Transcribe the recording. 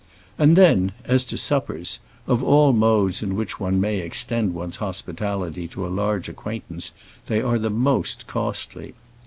And then as to suppers of all modes in which one may extend one's hospitality to a large acquaintance, they are the most costly.